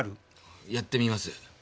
やってみます。